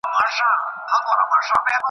د چا سل وه د چا زر كاله عمرونه .